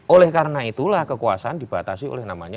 oleh karena itulah kekuasaan dibatasi oleh namanya